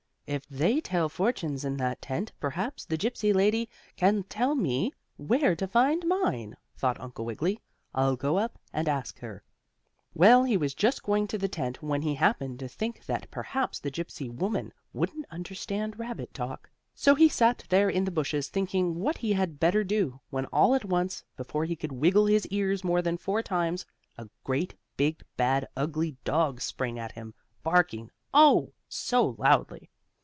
If they tell fortunes in that tent, perhaps the Gypsy lady can tell me where to find mine," thought Uncle Wiggily. "I'll go up and ask her." Well, he was just going to the tent when he happened to think that perhaps the Gypsy woman wouldn't understand rabbit talk. So he sat there in the bushes thinking what he had better do, when all at once, before he could wiggle his ears more than four times, a great big, bad, ugly dog sprang at him, barking, oh! so loudly.